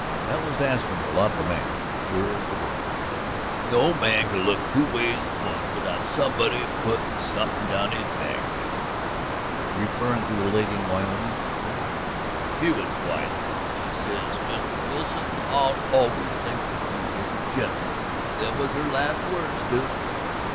"That was askin' a lot of a man, sure as the world." "No man can look two ways at once without somebody puttin' something down his back, Duke." "Referrin' to the lady in Wyoming. Sure." "She was white. She says: 'Mr. Wilson, I'll always think of you as a gentleman.' Them was her last words, Duke."